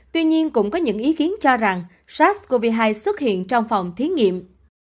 tuy nhiên cũng có những ý kiến cho rằng sars cov hai xuất hiện trong phòng thí nghiệm